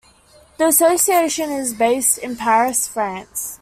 The association is based in Paris, France.